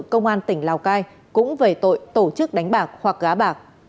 công an tỉnh lào cai cũng về tội tổ chức đánh bạc hoặc gá bạc